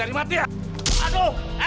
eh macem macem setan lu